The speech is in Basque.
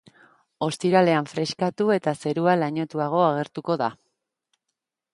Ostiralean freskatu eta zerua lainotuago agertuko da.